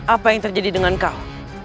apa yang terjadi dengan kau